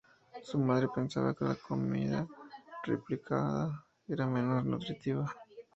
Su madre pensaba que la comida replicada era menos nutritiva.